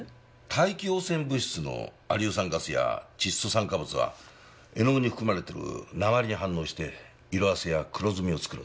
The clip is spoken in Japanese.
大気汚染物質の亜硫酸ガスや窒素酸化物は絵の具に含まれてる鉛に反応して色あせや黒ずみを作るんだ。